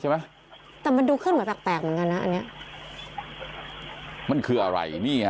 ใช่ไหมแต่มันดูขึ้นเหมือนแปลกแปลกเหมือนกันนะอันเนี้ยมันคืออะไรนี่ฮะ